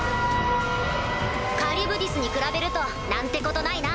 カリュブディスに比べると何てことないな。